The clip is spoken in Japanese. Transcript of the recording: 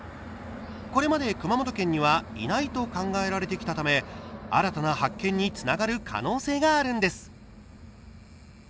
これまで熊本県にはいないと考えられてきたため新たな発見につながる可能性があるんです。